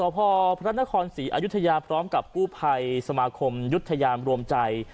พี่คุณมาบางขาย